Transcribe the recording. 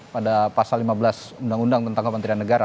pada pasal lima belas undang undang tentang kementerian negara